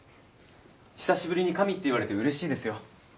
久しぶりに神って言われて嬉しいですよ。